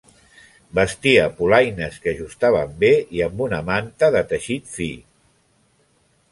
Vestia polaines que ajustaven bé i amb una manta de teixit fi.